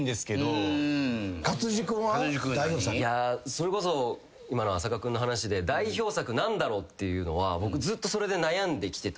それこそ今の浅香君の話で代表作何だろうっていうのは僕ずっとそれで悩んできてたんですよね。